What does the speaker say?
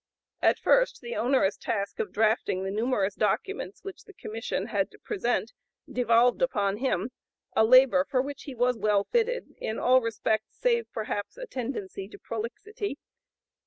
At first the onerous task of drafting the numerous documents which the Commission had to present devolved upon him, a labor for which he was well fitted in all respects save, perhaps, a tendency to prolixity.